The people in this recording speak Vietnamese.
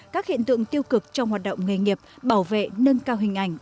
các hiện tượng tiêu cực trong hoạt động nghề nghiệp bảo vệ nâng cao hình ảnh